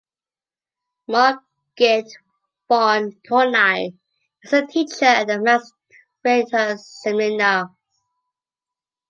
Margit von Tolnai is her teacher at the Max Reinhardt Seminar.